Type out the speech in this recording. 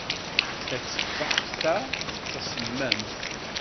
Tateffaḥt-a d tasemmamt.